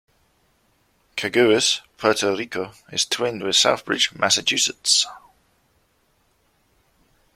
Caguas, Puerto Rico is twinned with Southbridge, Massachusetts.